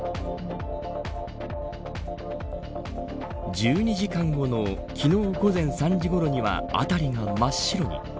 １２時間後の昨日午前３時ごろには辺りが真っ白に。